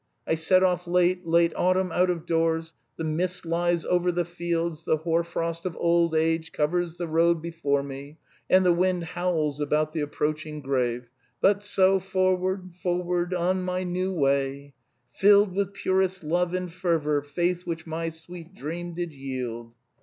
I set off late, late autumn out of doors, the mist lies over the fields, the hoarfrost of old age covers the road before me, and the wind howls about the approaching grave.... But so forward, forward, on my new way 'Filled with purest love and fervour, Faith which my sweet dream did yield.'